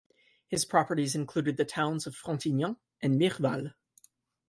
His properties included the towns of Frontignan and Mireval.